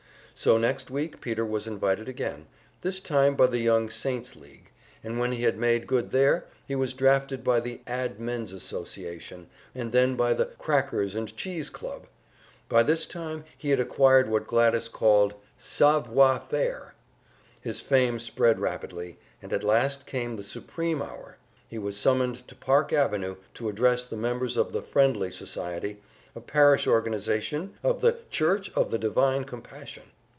So next week Peter was invited again this time by the Young Saints' League; and when he had made good there, he was drafted by the Ad. Men's Association, and then by the Crackers and Cheese Club. By this time he had acquired what Gladys called "savwaa fair"; his fame spread rapidly, and at last came the supreme hour he was summoned to Park Avenue to address the members of the Friendly Society, a parish organization of the Church of the Divine Compassion!